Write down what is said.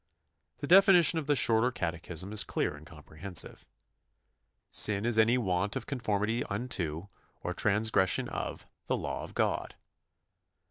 The definition of the Shorter Catechism is clear and comprehensive. "Sin is any want of conformity unto, or transgression of, the law of God."